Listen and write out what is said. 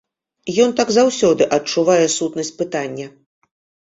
Ён так заўсёды адчувае сутнасць пытання!